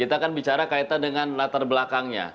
kita kan bicara kaitan dengan latar belakangnya